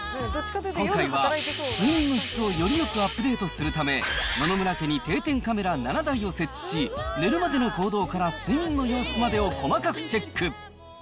今回は、睡眠の質をよりよくアップデートするため、野々村家に定点カメラ７台を設置し、寝るまでの行動から睡眠の様子までを細かくチェック。